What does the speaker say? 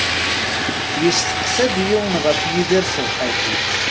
Yesteqsa-d yiwen ɣef Yidir ṣṣbeḥ-agi.